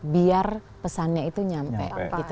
biar pesannya itu nyampe